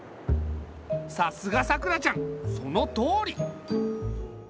さすがさくらちゃんそのとおり！